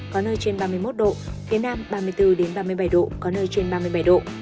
có nơi trên ba mươi một độ phía nam ba mươi bốn ba mươi bảy độ có nơi trên ba mươi bảy độ